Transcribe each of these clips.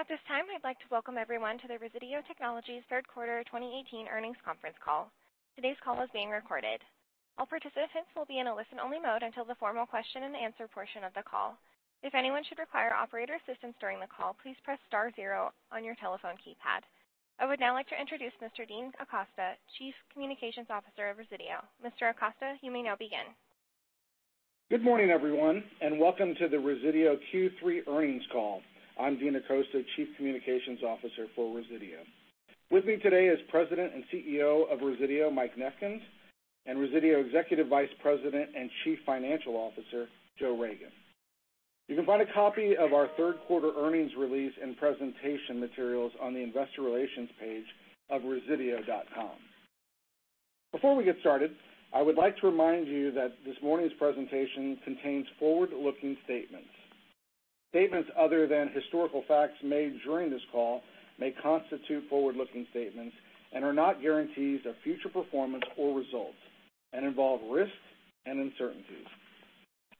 At this time, I'd like to welcome everyone to the Resideo Technologies third quarter 2018 earnings conference call. Today's call is being recorded. All participants will be in a listen-only mode until the formal question and answer portion of the call. If anyone should require operator assistance during the call, please press star zero on your telephone keypad. I would now like to introduce Mr. Dean Acosta, Chief Communications Officer of Resideo. Mr. Acosta, you may now begin. Good morning, everyone, and welcome to the Resideo Q3 earnings call. I'm Dean Acosta, Chief Communications Officer for Resideo. With me today is President and CEO of Resideo, Mike Nefkins, and Resideo Executive Vice President and Chief Financial Officer, Joe Ragan. You can find a copy of our third quarter earnings release and presentation materials on the investor relations page of resideo.com. Before we get started, I would like to remind you that this morning's presentation contains forward-looking statements. Statements other than historical facts made during this call may constitute forward-looking statements and are not guarantees of future performance or results and involve risks and uncertainties.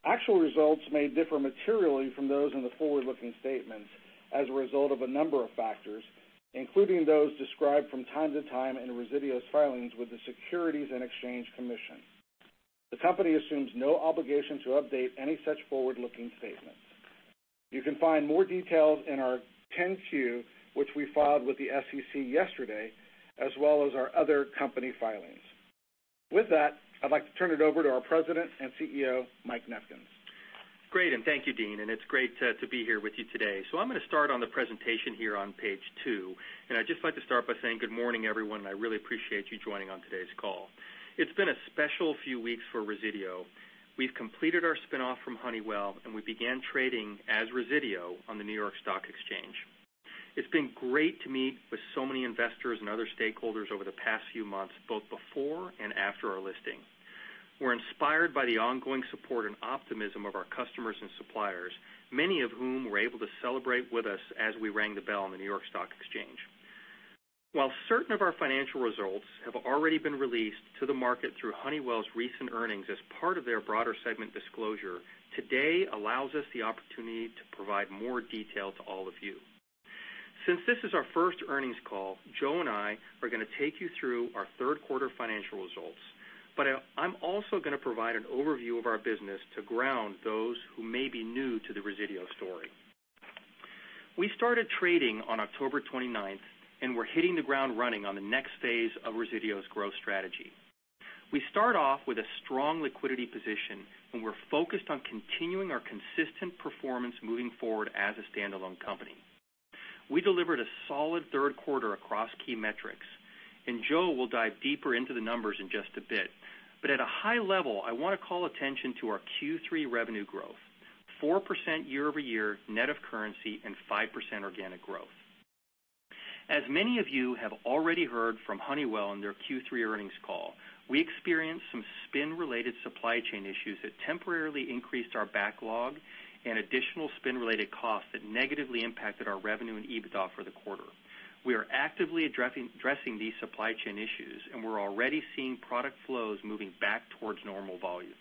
Actual results may differ materially from those in the forward-looking statements as a result of a number of factors, including those described from time to time in Resideo's filings with the Securities and Exchange Commission. The company assumes no obligation to update any such forward-looking statements. You can find more details in our 10-Q, which we filed with the SEC yesterday, as well as our other company filings. With that, I'd like to turn it over to our President and CEO, Mike Nefkens. Great, and thank you, Dean, and it's great to be here with you today. I'm going to start on the presentation here on page two, and I'd just like to start by saying good morning, everyone, and I really appreciate you joining on today's call. It's been a special few weeks for Resideo. We've completed our spin-off from Honeywell, and we began trading as Resideo on the New York Stock Exchange. It's been great to meet with so many investors and other stakeholders over the past few months, both before and after our listing. We're inspired by the ongoing support and optimism of our customers and suppliers, many of whom were able to celebrate with us as we rang the bell on the New York Stock Exchange. While certain of our financial results have already been released to the market through Honeywell's recent earnings as part of their broader segment disclosure, today allows us the opportunity to provide more detail to all of you. Since this is our first earnings call, Joe and I are going to take you through our third quarter financial results. I'm also going to provide an overview of our business to ground those who may be new to the Resideo story. We started trading on October 29th, and we're hitting the ground running on the next phase of Resideo's growth strategy. We start off with a strong liquidity position, and we're focused on continuing our consistent performance moving forward as a standalone company. We delivered a solid third quarter across key metrics, Joe will dive deeper into the numbers in just a bit. At a high level, I want to call attention to our Q3 revenue growth, 4% year-over-year net of currency and 5% organic growth. As many of you have already heard from Honeywell on their Q3 earnings call, we experienced some spin-related supply chain issues that temporarily increased our backlog and additional spin-related costs that negatively impacted our revenue and EBITDA for the quarter. We are actively addressing these supply chain issues, we're already seeing product flows moving back towards normal volumes.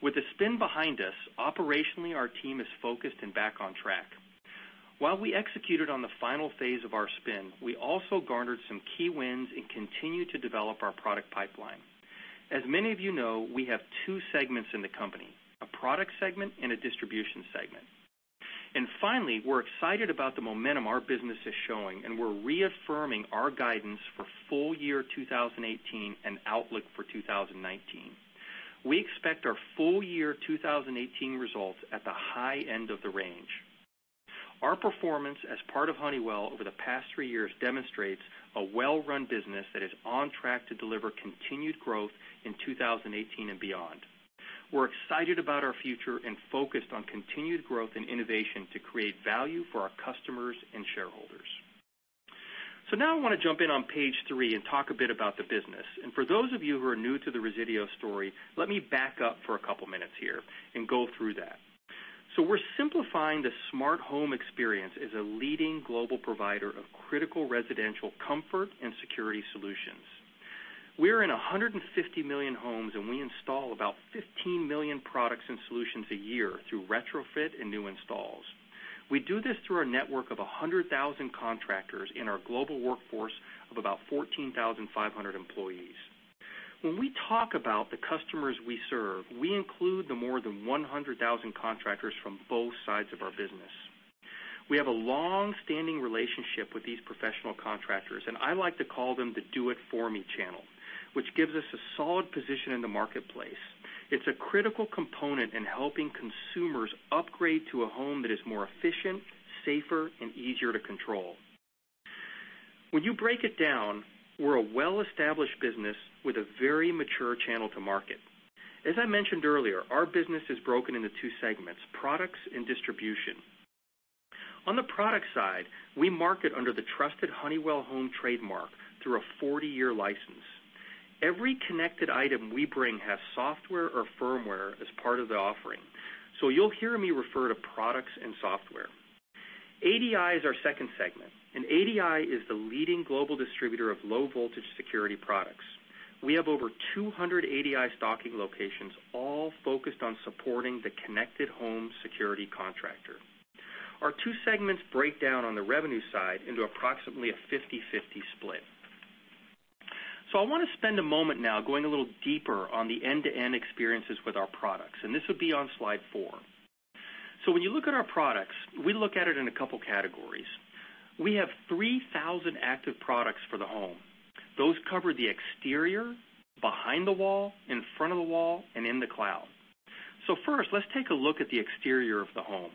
With the spin behind us, operationally our team is focused and back on track. While we executed on the final phase of our spin, we also garnered some key wins and continued to develop our product pipeline. As many of you know, we have two segments in the company, a product segment and a distribution segment. Finally, we're excited about the momentum our business is showing, and we're reaffirming our guidance for full year 2018 and outlook for 2019. We expect our full year 2018 results at the high end of the range. Our performance as part of Honeywell over the past three years demonstrates a well-run business that is on track to deliver continued growth in 2018 and beyond. We're excited about our future and focused on continued growth and innovation to create value for our customers and shareholders. Now I want to jump in on page three and talk a bit about the business. For those of you who are new to the Resideo story, let me back up for a couple minutes here and go through that. We're simplifying the smart home experience as a leading global provider of critical residential comfort and security solutions. We're in 150 million homes, we install about 15 million products and solutions a year through retrofit and new installs. We do this through our network of 100,000 contractors in our global workforce of about 14,500 employees. When we talk about the customers we serve, we include the more than 100,000 contractors from both sides of our business. We have a long-standing relationship with these professional contractors, I like to call them the do it for me channel, which gives us a solid position in the marketplace. It's a critical component in helping consumers upgrade to a home that is more efficient, safer, and easier to control. When you break it down, we're a well-established business with a very mature channel to market. As I mentioned earlier, our business is broken into two segments, products and distribution. On the product side, we market under the trusted Honeywell Home trademark through a 40-year license. Every connected item we bring has software or firmware as part of the offering. You'll hear me refer to products and software. ADI is our second segment, ADI is the leading global distributor of low voltage security products. We have over 200 ADI stocking locations, all focused on supporting the connected home security contractor. Our two segments break down on the revenue side into approximately a 50/50 split. I want to spend a moment now going a little deeper on the end-to-end experiences with our products, and this would be on slide four. When you look at our products, we look at it in a couple of categories. We have 3,000 active products for the home. Those cover the exterior, behind the wall, in front of the wall, and in the cloud. First, let's take a look at the exterior of the home.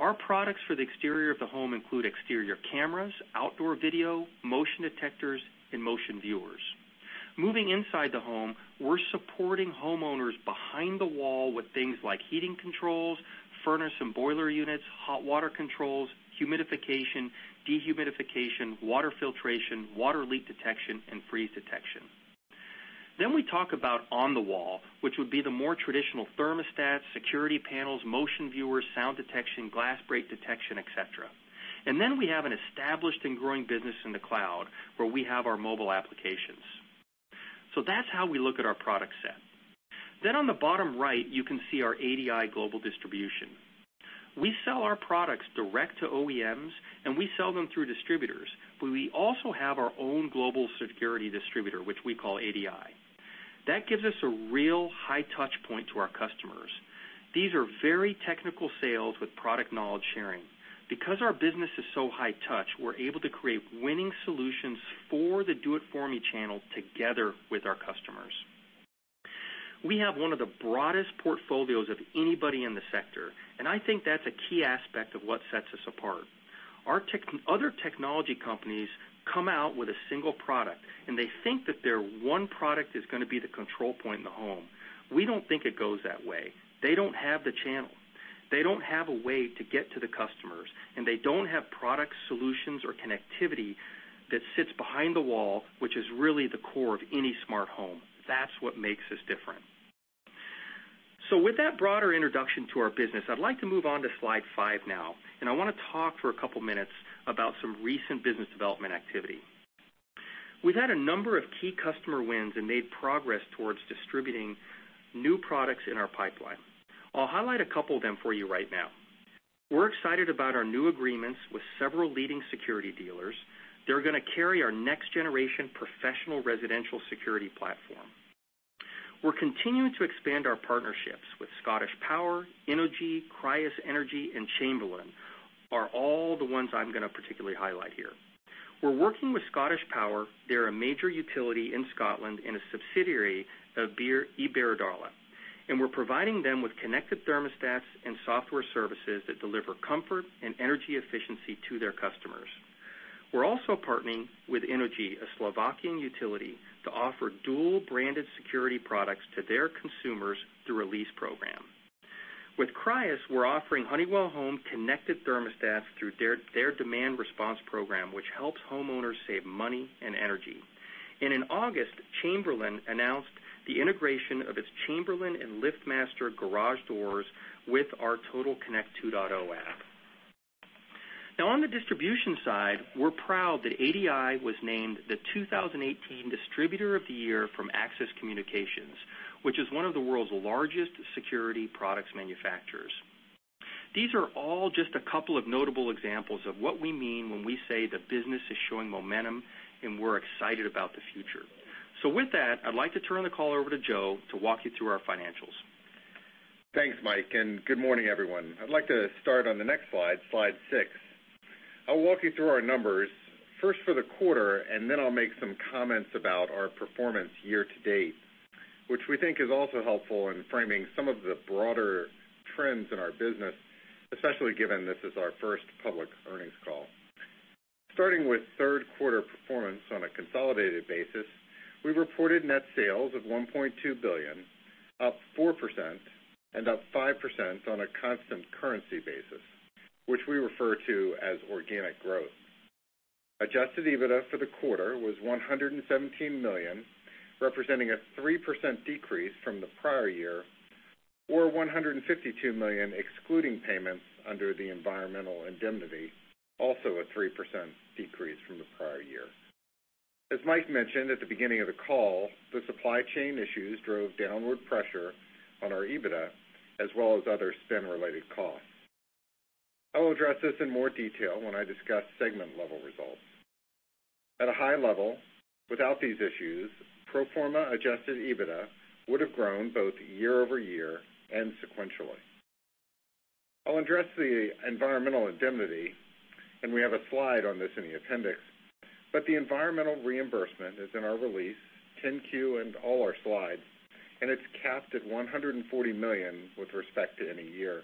Our products for the exterior of the home include exterior cameras, outdoor video, motion detectors, and motion viewers. Moving inside the home, we're supporting homeowners behind the wall with things like heating controls, furnace and boiler units, hot water controls, humidification, dehumidification, water filtration, water leak detection, and freeze detection. We talk about on the wall, which would be the more traditional thermostats, security panels, motion viewers, sound detection, glass break detection, et cetera. We have an established and growing business in the cloud where we have our mobile applications. That's how we look at our product set. On the bottom right, you can see our ADI Global Distribution. We sell our products direct to OEMs, and we sell them through distributors, but we also have our own global security distributor, which we call ADI. That gives us a real high touch point to our customers. These are very technical sales with product knowledge sharing. Because our business is so high touch, we're able to create winning solutions for the do-it-for-me channel together with our customers. We have one of the broadest portfolios of anybody in the sector, and I think that's a key aspect of what sets us apart. Other technology companies come out with a single product, and they think that their one product is going to be the control point in the home. We don't think it goes that way. They don't have the channel. They don't have a way to get to the customers, and they don't have product solutions or connectivity that sits behind the wall, which is really the core of any smart home. That's what makes us different. With that broader introduction to our business, I'd like to move on to slide five now, and I want to talk for a couple of minutes about some recent business development activity. We've had a number of key customer wins and made progress towards distributing new products in our pipeline. I'll highlight a couple of them for you right now. We're excited about our new agreements with several leading security dealers. They're going to carry our next generation professional residential security platform. We're continuing to expand our partnerships with ScottishPower, Innogy, Crius Energy, and Chamberlain, are all the ones I'm going to particularly highlight here. We're working with ScottishPower. They're a major utility in Scotland and a subsidiary of Iberdrola. We're providing them with connected thermostats and software services that deliver comfort and energy efficiency to their customers. We're also partnering with Innogy, a Slovakian utility, to offer dual-branded security products to their consumers through a lease program. With Crius, we're offering Honeywell Home connected thermostats through their demand response program, which helps homeowners save money and energy. In August, Chamberlain announced the integration of its Chamberlain and LiftMaster garage doors with our Total Connect 2.0 app. On the distribution side, we're proud that ADI was named the 2018 Distributor of the Year from Axis Communications, which is one of the world's largest security products manufacturers. These are all just a couple of notable examples of what we mean when we say the business is showing momentum and we're excited about the future. With that, I'd like to turn the call over to Joe to walk you through our financials. Thanks, Mike, and good morning, everyone. I'd like to start on the next slide six. I'll walk you through our numbers, first for the quarter, and then I'll make some comments about our performance year-to-date, which we think is also helpful in framing some of the broader trends in our business, especially given this is our first public earnings call. Starting with third quarter performance on a consolidated basis, we reported net sales of $1.2 billion, up 4%, and up 5% on a constant currency basis, which we refer to as organic growth. Adjusted EBITDA for the quarter was $117 million, representing a 3% decrease from the prior year, or $152 million excluding payments under the environmental indemnity, also a 3% decrease from the prior year. As Mike mentioned at the beginning of the call, the supply chain issues drove downward pressure on our EBITDA as well as other spin-related costs. I will address this in more detail when I discuss segment-level results. At a high level, without these issues, pro forma adjusted EBITDA would have grown both year-over-year and sequentially. I'll address the environmental indemnity, and we have a slide on this in the appendix, but the environmental reimbursement is in our release, 10-Q, and all our slides, and it's capped at $140 million with respect to any year.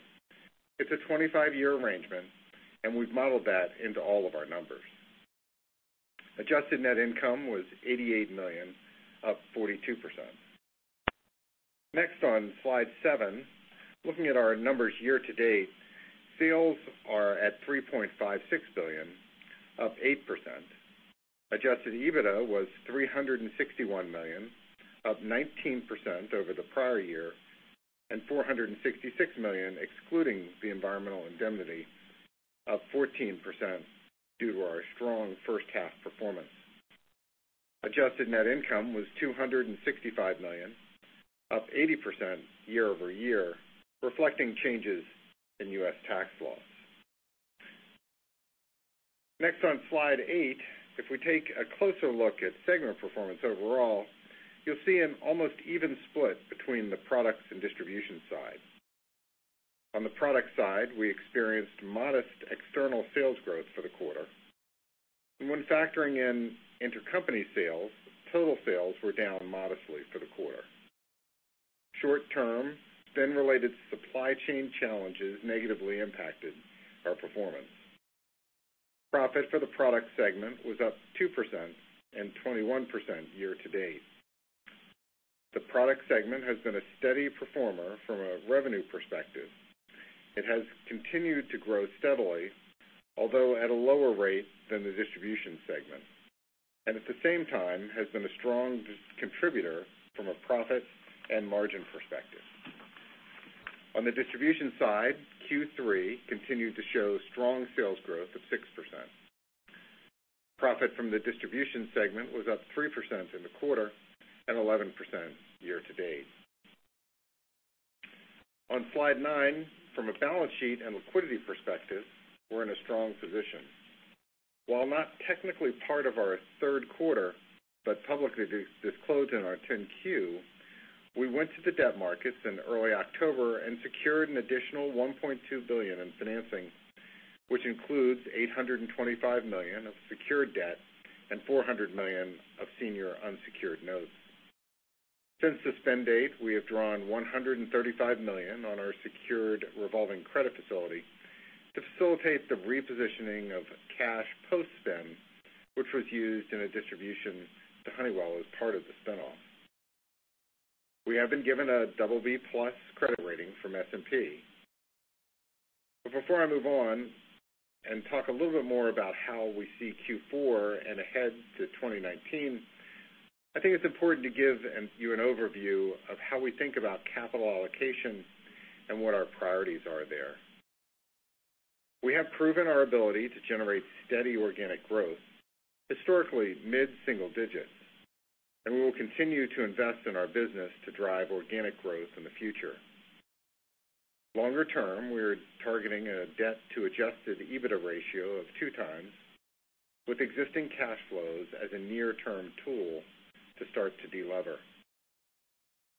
It's a 25-year arrangement, and we've modeled that into all of our numbers. Adjusted net income was $88 million, up 42%. On slide seven, looking at our numbers year-to-date, sales are at $3.56 billion, up 8%. Adjusted EBITDA was $361 million, up 19% over the prior year, and $466 million excluding the environmental indemnity, up 14% due to our strong first half performance. Adjusted net income was $265 million, up 80% year-over-year, reflecting changes in U.S. tax laws. On slide eight, if we take a closer look at segment performance overall, you'll see an almost even split between the products and distribution side. On the product side, we experienced modest external sales growth for the quarter. When factoring in intercompany sales, total sales were down modestly for the quarter. Short term, spin-related supply chain challenges negatively impacted our performance. Profit for the product segment was up 2% and 21% year-to-date. The product segment has been a steady performer from a revenue perspective. It has continued to grow steadily, although at a lower rate than the distribution segment, and at the same time has been a strong contributor from a profit and margin perspective. On the distribution side, Q3 continued to show strong sales growth of 6%. Profit from the distribution segment was up 3% in the quarter and 11% year-to-date. On slide nine, from a balance sheet and liquidity perspective, we're in a strong position. While not technically part of our third quarter, but publicly disclosed in our 10-Q, we went to the debt markets in early October and secured an additional $1.2 billion in financing, which includes $825 million of secured debt and $400 million of senior unsecured notes. Since the spin date, we have drawn $135 million on our secured revolving credit facility to facilitate the repositioning of cash post-spin, which was used in a distribution to Honeywell as part of the spin-off. We have been given a BB+ credit rating from S&P. Before I move on and talk a little bit more about how we see Q4 and ahead to 2019, I think it's important to give you an overview of how we think about capital allocation and what our priorities are there. We have proven our ability to generate steady organic growth, historically mid-single digits, and we will continue to invest in our business to drive organic growth in the future. Longer term, we're targeting a debt to adjusted EBITDA ratio of 2 times with existing cash flows as a near-term tool to start to de-lever.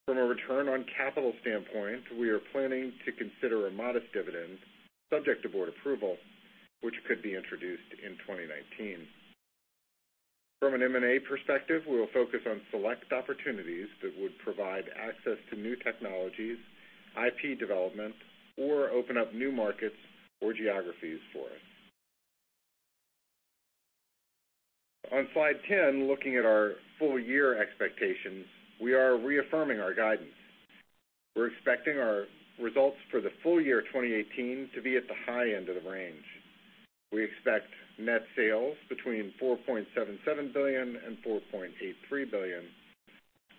From a return on capital standpoint, we are planning to consider a modest dividend subject to board approval, which could be introduced in 2019. From an M&A perspective, we will focus on select opportunities that would provide access to new technologies, IP development, or open up new markets or geographies for us. On slide 10, looking at our full year expectations, we are reaffirming our guidance. We're expecting our results for the full year 2018 to be at the high end of the range. We expect net sales between $4.77 billion and $4.83 billion,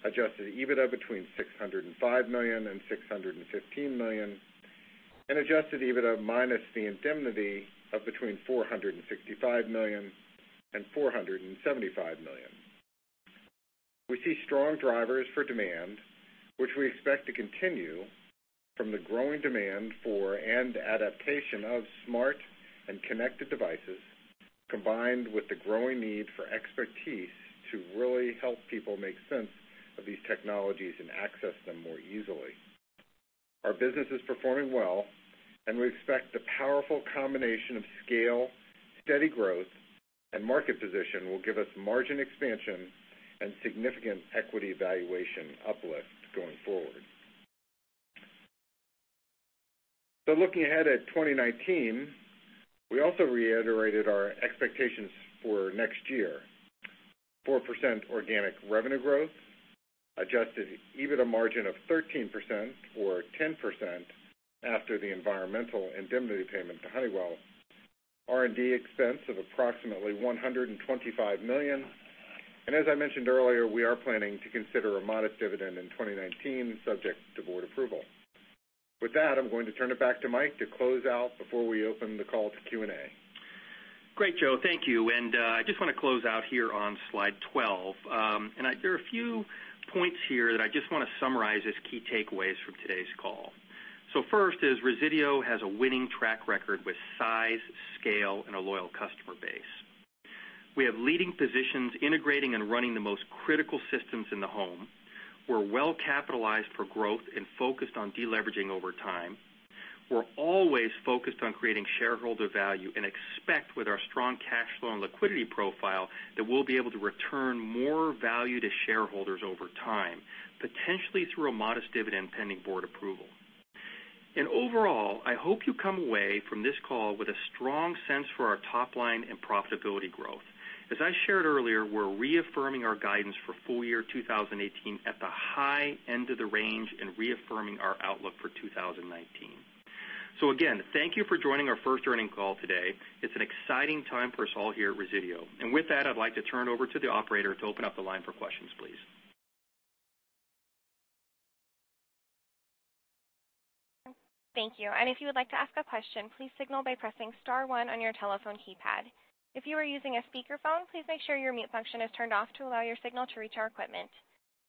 adjusted EBITDA between $605 million and $615 million, and adjusted EBITDA minus the indemnity of between $465 million and $475 million. We see strong drivers for demand, which we expect to continue from the growing demand for and adaptation of smart and connected devices, combined with the growing need for expertise to really help people make sense of these technologies and access them more easily. Our business is performing well, and we expect the powerful combination of scale, steady growth, and market position will give us margin expansion and significant equity valuation uplift going forward. Looking ahead at 2019, we also reiterated our expectations for next year. 4% organic revenue growth, adjusted EBITDA margin of 13% or 10% after the environmental indemnity payment to Honeywell. R&D expense of approximately $125 million. As I mentioned earlier, we are planning to consider a modest dividend in 2019 subject to board approval. With that, I'm going to turn it back to Mike to close out before we open the call to Q&A. Great, Joe. Thank you. I just want to close out here on slide 12. There are a few points here that I just want to summarize as key takeaways from today's call. First is Resideo has a winning track record with size, scale, and a loyal customer base. We have leading positions integrating and running the most critical systems in the home. We're well-capitalized for growth and focused on de-leveraging over time. We're always focused on creating shareholder value and expect with our strong cash flow and liquidity profile that we'll be able to return more value to shareholders over time, potentially through a modest dividend pending board approval. Overall, I hope you come away from this call with a strong sense for our top line and profitability growth. As I shared earlier, we're reaffirming our guidance for full year 2018 at the high end of the range and reaffirming our outlook for 2019. Again, thank you for joining our first earnings call today. It's an exciting time for us all here at Resideo. With that, I'd like to turn it over to the operator to open up the line for questions, please. Thank you. If you would like to ask a question, please signal by pressing star one on your telephone keypad. If you are using a speakerphone, please make sure your mute function is turned off to allow your signal to reach our equipment.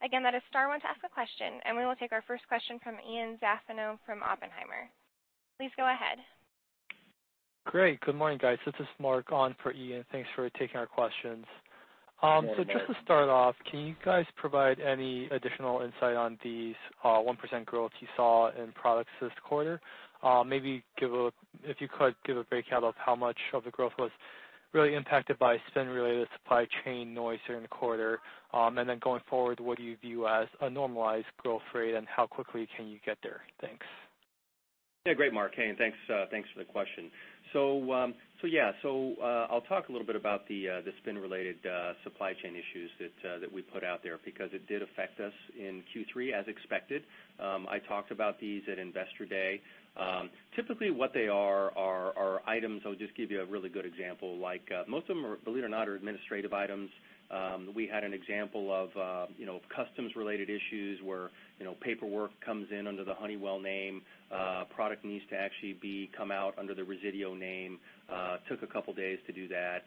Again, that is star one to ask a question, and we will take our first question from Ian Zaffino from Oppenheimer. Please go ahead. Great. Good morning, guys. This is Mark on for Ian. Thanks for taking our questions. Good morning. Just to start off, can you guys provide any additional insight on the 1% growth you saw in products this quarter? Maybe if you could give a breakout of how much of the growth was really impacted by spin-related supply chain noise during the quarter. Going forward, what do you view as a normalized growth rate, and how quickly can you get there? Thanks. Yeah. Great, Mark. Thanks for the question. I'll talk a little bit about the spin-related supply chain issues that we put out there because it did affect us in Q3 as expected. I talked about these at Investor Day. Typically, what they are are items. I'll just give you a really good example. Most of them, believe it or not, are administrative items. We had an example of customs-related issues where paperwork comes in under the Honeywell name. A product needs to actually come out under the Resideo name. Took a couple of days to do that.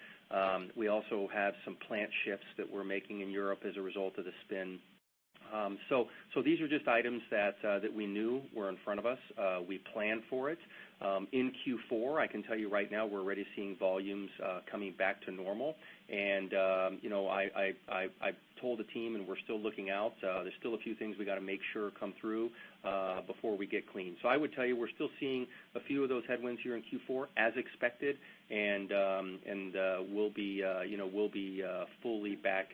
We also have some plant shifts that we're making in Europe as a result of the spin. These are just items that we knew were in front of us. We planned for it. In Q4, I can tell you right now, we're already seeing volumes coming back to normal. I've told the team, we're still looking out. There's still a few things we got to make sure come through before we get clean. I would tell you we're still seeing a few of those headwinds here in Q4 as expected. We'll be fully back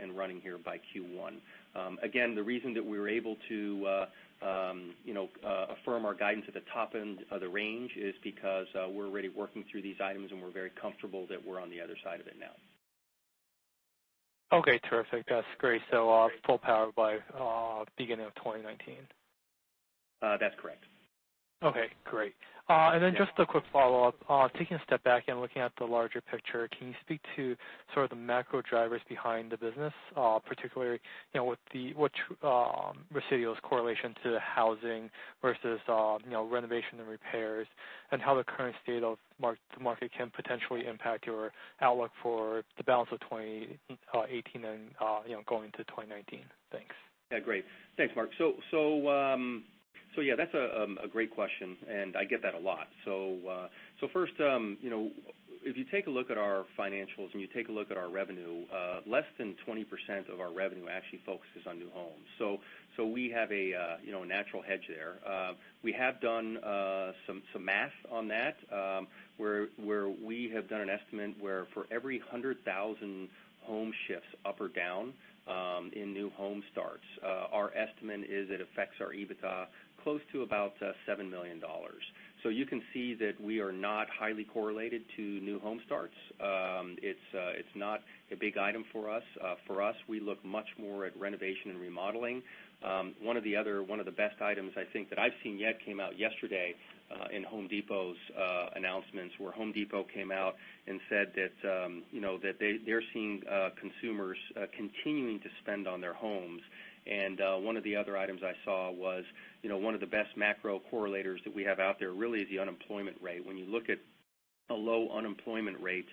and running here by Q1. Again, the reason that we were able to affirm our guidance at the top end of the range is because we're already working through these items. We're very comfortable that we're on the other side of it now. Okay. Terrific. That's great. Full power by beginning of 2019. That's correct. Okay. Great. Just a quick follow-up. Taking a step back and looking at the larger picture, can you speak to sort of the macro drivers behind the business, particularly with Resideo's correlation to housing versus renovation and repairs, how the current state of the market can potentially impact your outlook for the balance of 2018 and going to 2019? Thanks. Great. Thanks, Mark. That's a great question, and I get that a lot. First, if you take a look at our financials and you take a look at our revenue, less than 20% of our revenue actually focuses on new homes. We have a natural hedge there. We have done some math on that, where we have done an estimate where for every 100,000 home shifts up or down in new home starts, our estimate is it affects our EBITDA close to about $7 million. You can see that we are not highly correlated to new home starts. It's not a big item for us. For us, we look much more at renovation and remodeling. One of the best items I think that I've seen yet came out yesterday in Home Depot's announcements, where Home Depot came out and said that they're seeing consumers continuing to spend on their homes. One of the other items I saw was one of the best macro correlators that we have out there really is the unemployment rate. When you look at a low unemployment rate,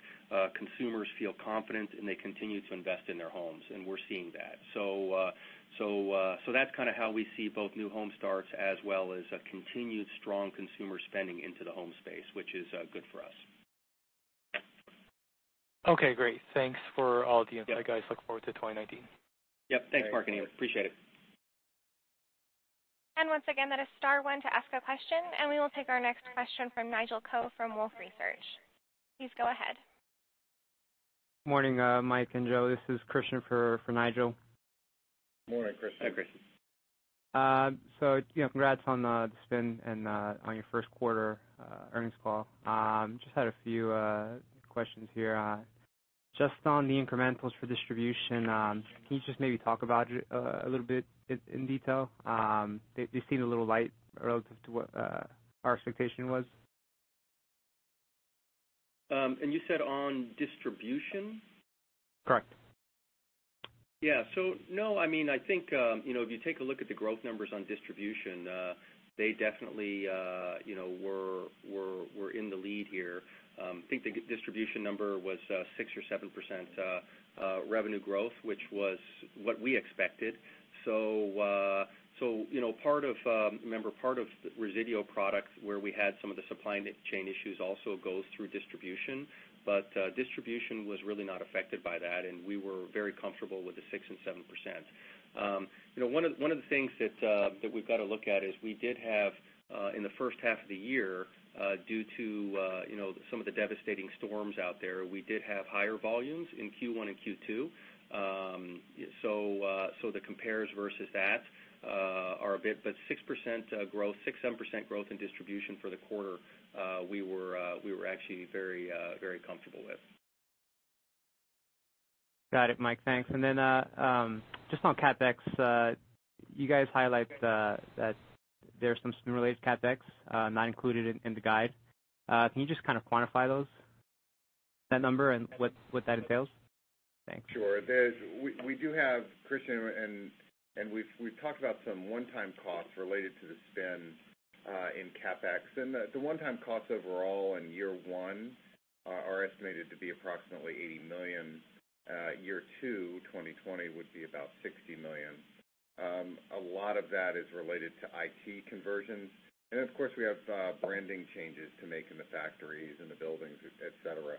consumers feel confident, and they continue to invest in their homes, and we're seeing that. That's kind of how we see both new home starts as well as a continued strong consumer spending into the home space, which is good for us. Okay, great. Thanks for all the insight, guys. Look forward to 2019. Yep. Thanks, Mark and Ian. Appreciate it. Once again, that is star one to ask a question. We will take our next question from Nigel Coe from Wolfe Research. Please go ahead. Morning, Mike and Joe. This is Christian for Nigel. Morning, Christian. Hi, Christian. Congrats on the spin and on your first quarter earnings call. Just had a few questions here. Just on the incrementals for distribution, can you just maybe talk about it a little bit in detail? They seem a little light relative to what our expectation was. You said on distribution? Correct. If you take a look at the growth numbers on distribution, they definitely were in the lead here. The distribution number was 6% or 7% revenue growth, which was what we expected. Part of Resideo products where we had some of the supply chain issues also goes through distribution. Distribution was really not affected by that, and we were very comfortable with the 6% and 7%. One of the things that we've got to look at is we did have in the first half of the year, due to some of the devastating storms out there, we did have higher volumes in Q1 and Q2. 6% growth, 6%, 7% growth in distribution for the quarter, we were actually very comfortable with. Got it, Mike. Thanks. Just on CapEx, you guys highlight that there's some spin-related CapEx not included in the guide. Can you just kind of quantify those? That number and what that entails? Thanks. Sure. We do have, Christian, and we've talked about some one-time costs related to the spend in CapEx. The one-time costs overall in year one are estimated to be approximately $80 million. Year two, 2020, would be about $60 million. A lot of that is related to IT conversions and of course, we have branding changes to make in the factories, in the buildings, et cetera.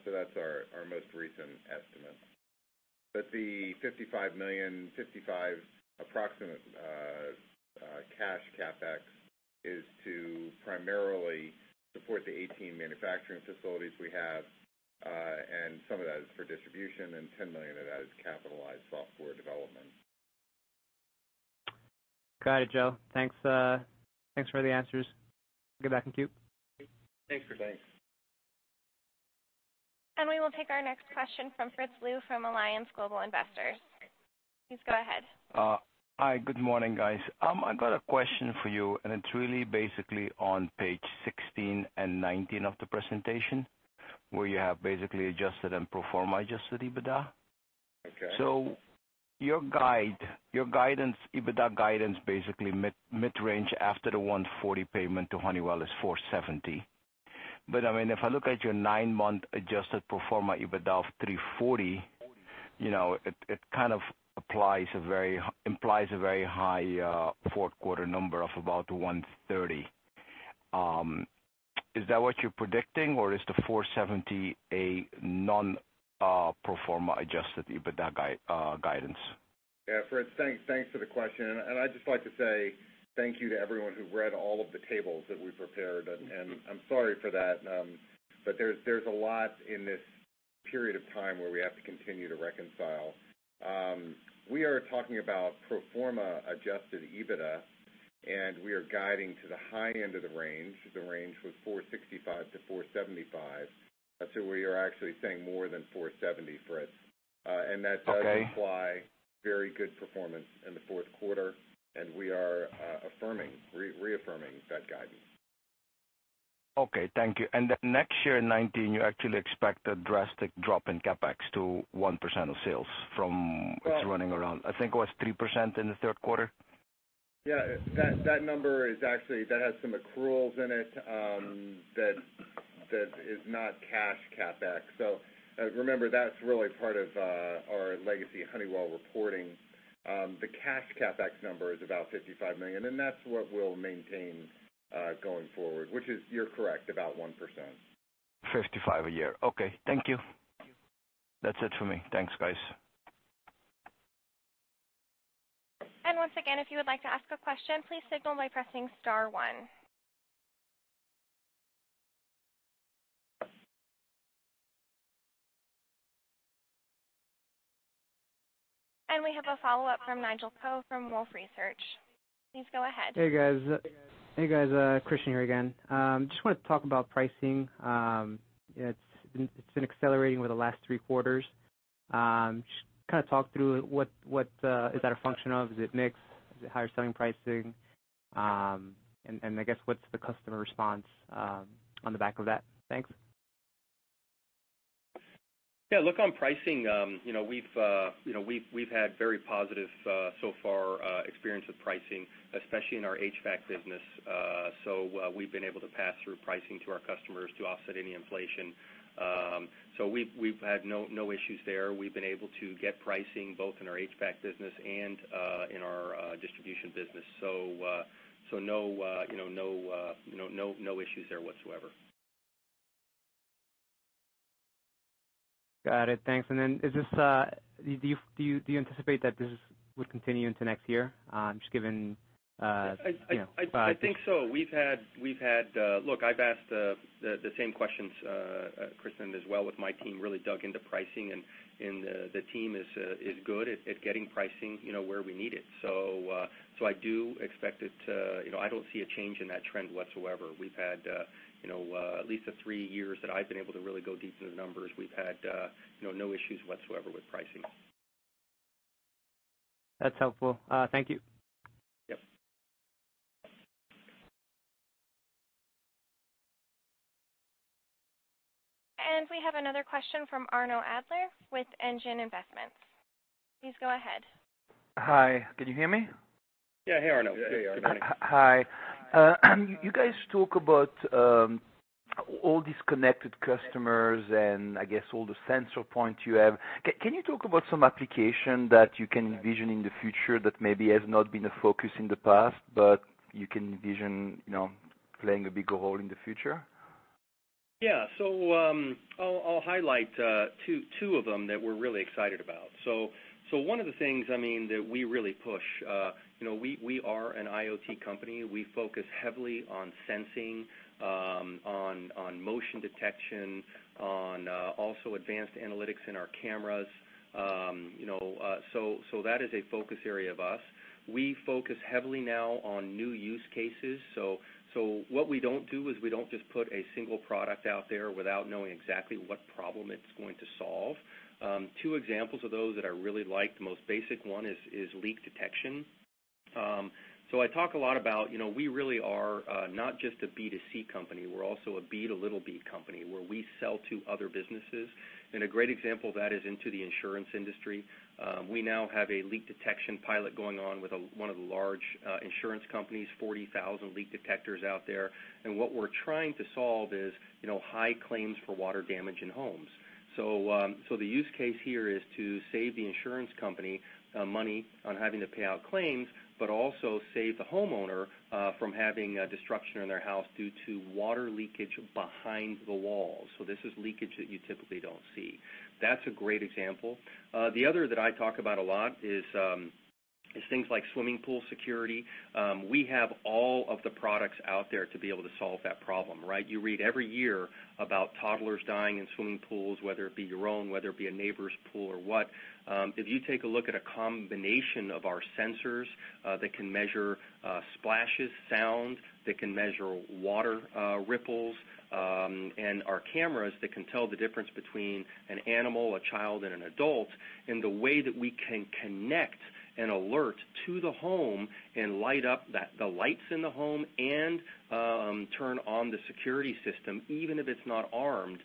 That's our most recent estimate. The $55 million approximate cash CapEx is to primarily support the 18 manufacturing facilities we have. Some of that is for distribution, and $10 million of that is capitalized software development. Got it, Joe. Thanks for the answers. Good. Back in queue. Thanks for that. We will take our next question from Fritz Lu from Allianz Global Investors. Please go ahead. Hi. Good morning, guys. I got a question for you, it's really basically on page 16 and 19 of the presentation, where you have basically adjusted and pro forma adjusted EBITDA. Okay. Your EBITDA guidance, basically mid-range after the $140 payment to Honeywell is $470. If I look at your nine-month adjusted pro forma EBITDA of $340, it kind of implies a very high fourth quarter number of about $130. Is that what you're predicting, or is the $470 a non-pro forma adjusted EBITDA guidance? Yeah. Fritz, thanks for the question. I'd just like to say thank you to everyone who read all of the tables that we prepared, and I'm sorry for that. There's a lot in this period of time where we have to continue to reconcile. We are talking about pro forma adjusted EBITDA, and we are guiding to the high end of the range. The range was $465-$475. We are actually saying more than $470, Fritz. Okay. That does imply very good performance in the fourth quarter, and we are reaffirming that guidance. Okay, thank you. Next year, in 2019, you actually expect a drastic drop in CapEx to 1% of sales from- Well- It's running around, I think it was 3% in the third quarter? Yeah, that number actually has some accruals in it that is not cash CapEx. Remember, that's really part of our legacy Honeywell reporting. The cash CapEx number is about $55 million, and that's what we'll maintain going forward, which is, you're correct, about 1%. $55 a year. Okay. Thank you. Thank you. That's it for me. Thanks, guys. Once again, if you would like to ask a question, please signal by pressing star one. We have a follow-up from Nigel Coe from Wolfe Research. Please go ahead. Hey, guys. Christian here again. Just wanted to talk about pricing. It's been accelerating over the last three quarters. Just kind of talk through, is that a function of, is it mix? Is it higher selling pricing? I guess, what's the customer response on the back of that? Thanks. Yeah, look, on pricing, we've had very positive so far experience with pricing, especially in our HVAC business. We've been able to pass through pricing to our customers to offset any inflation. We've had no issues there. We've been able to get pricing both in our HVAC business and in our distribution business. No issues there whatsoever. Got it. Thanks. Do you anticipate that this would continue into next year? I think so. Look, I've asked the same questions, Christian, as well with my team, really dug into pricing. The team is good at getting pricing where we need it. I don't see a change in that trend whatsoever. We've had at least the three years that I've been able to really go deep into the numbers. We've had no issues whatsoever with pricing. That's helpful. Thank you. Yep. We have another question from Arno Adler with NGen Investments. Please go ahead. Hi. Can you hear me? Yeah. Hey, Arno. Here you are. Good morning. Hi. You guys talk about all these connected customers and I guess all the sensor points you have. Can you talk about some application that you can envision in the future that maybe has not been a focus in the past, but you can envision playing a bigger role in the future? I'll highlight two of them that we're really excited about. One of the things that we really push, we are an IoT company. We focus heavily on sensing, on motion detection, on also advanced analytics in our cameras. That is a focus area of us. We focus heavily now on new use cases. What we don't do is we don't just put a single product out there without knowing exactly what problem it's going to solve. Two examples of those that I really like, the most basic one is leak detection. I talk a lot about we really are not just a B2C company, we're also a B2B company, where we sell to other businesses. A great example of that is into the insurance industry. We now have a leak detection pilot going on with one of the large insurance companies, 40,000 leak detectors out there. What we're trying to solve is high claims for water damage in homes. The use case here is to save the insurance company money on having to pay out claims, but also save the homeowner from having destruction in their house due to water leakage behind the walls. This is leakage that you typically don't see. That's a great example. The other that I talk about a lot is things like swimming pool security. We have all of the products out there to be able to solve that problem, right? You read every year about toddlers dying in swimming pools, whether it be your own, whether it be a neighbor's pool or what. If you take a look at a combination of our sensors that can measure splashes, sound, that can measure water ripples, and our cameras that can tell the difference between an animal, a child, and an adult, and the way that we can connect an alert to the home and light up the lights in the home and turn on the security system, even if it's not armed,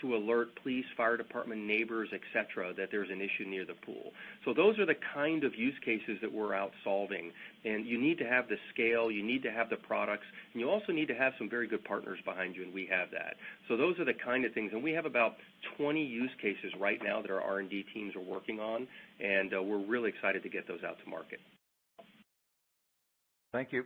to alert police, fire department, neighbors, et cetera, that there's an issue near the pool. Those are the kind of use cases that we're out solving, you need to have the scale, you need to have the products, you also need to have some very good partners behind you, we have that. Those are the kind of things. We have about 20 use cases right now that our R&D teams are working on, we're really excited to get those out to market. Thank you.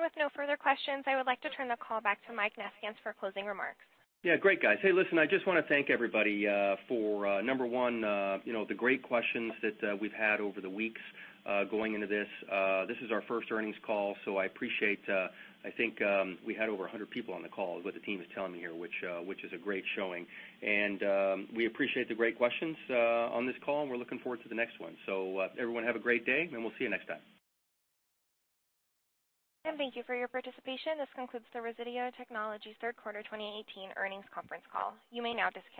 With no further questions, I would like to turn the call back to Mike Nefkins for closing remarks. Yeah. Great, guys. Hey, listen, I just want to thank everybody for number one the great questions that we've had over the weeks going into this. This is our first earnings call, so I appreciate, I think we had over 100 people on the call, is what the team is telling me here, which is a great showing. We appreciate the great questions on this call, and we're looking forward to the next one. Everyone have a great day, and we'll see you next time. Thank you for your participation. This concludes the Resideo Technologies Third Quarter 2018 Earnings Conference Call. You may now disconnect.